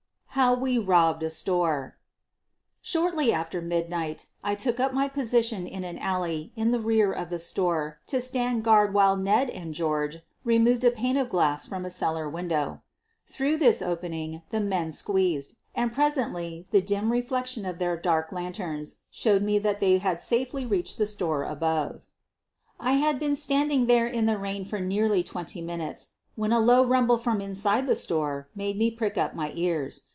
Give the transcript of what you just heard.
HOW WE BOBBED A STOEE Shortly after midnight I took up my position in an alley in the rear of the store to stand guard while Ned and George removed a pane of glass from a cellar window. Through this opening the men squeezed, and presently the dim reflection of their dark lanterns showed me that they had safely reached the store above. I had been standing there in the rain for nearly twenty minutes when a low rumble from inside the store made me prick up my ears.